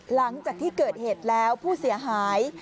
หลังจากที่เกิดเหตุแล้วผู้เสียหาย